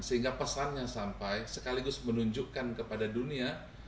sehingga pesannya sampai sekaligus menunjukkan kepada dunia